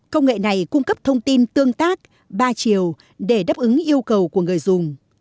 công nghệ này cung cấp thông tin tương tác ba chiều để đáp ứng yêu cầu của người dùng